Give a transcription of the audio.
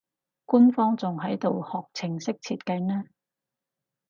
官方仲喺度學程式設計呢